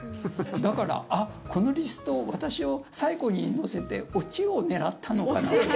だから、あっ、このリスト私を最後に載せてオチを狙ったのかなと。